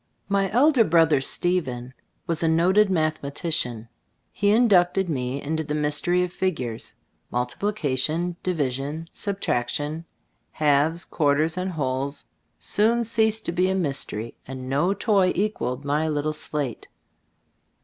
My elder brother, Stephen, was a noted mathematician. He inducted me into the mystery of figures. Multiplication, division, subtraction, halves, quarters and wholes, soon ceased to be a mystery, and no toy equalled my little slate.